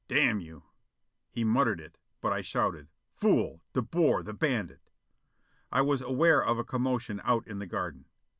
"Damn you!" He muttered it, but I shouted, "Fool! De Boer, the bandit!" I was aware of a commotion out in the garden.